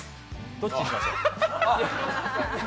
どっちにしましょう？